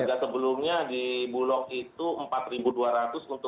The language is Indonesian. harga sebelumnya harga sebelumnya